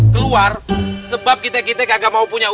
keluar bersama saya